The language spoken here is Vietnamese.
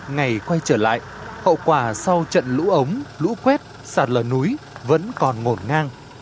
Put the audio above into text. ngày quay trở lại hậu quả sau trận lũ ống lũ quét sạt lở núi vẫn còn ngổn ngang